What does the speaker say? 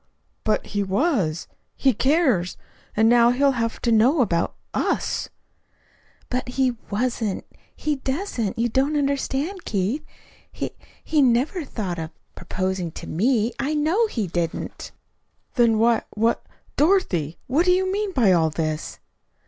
"But he was. He cares. And now he'll have to know about us." "But he wasn't he doesn't. You don't understand, Keith. He he never thought of of proposing to me. I know he didn't." "Then why what Dorothy, what do you mean by all this?"